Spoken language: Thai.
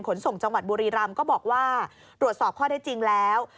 ขนส่งจังหวัดบุรีรำก็บอกว่าตรวจสอบข้อได้จริงแล้ว